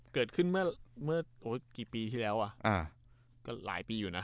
เกิดขึ้นเมื่อเมื่อโอ้ยกี่ปีที่แล้วอ่ะอ่าก็หลายปีอยู่น่ะ